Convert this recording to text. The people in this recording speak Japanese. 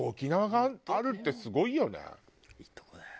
いいとこだよ。